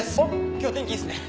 今日天気いいっすね。